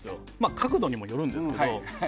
角度にもよるんですけど。